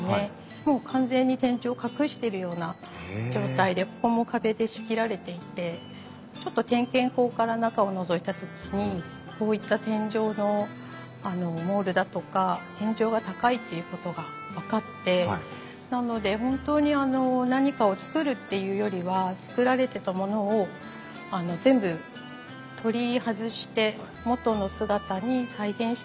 もう完全に天井を隠してるような状態でここも壁で仕切られていてちょっと点検口から中をのぞいた時にこういった天井のモールだとか天井が高いっていうことが分かってなので本当にあの何かを造るっていうよりは造られてたものを全部取り外して元の姿に再現したっていう感じです。